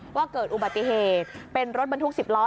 ว่าเกิดอุบัติเหตุเป็นรถบรรทุก๑๐ล้อ